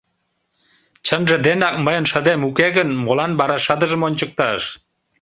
Чынже денак мыйын шыдем уке гын, молан вара шыдыжым ончыкташ?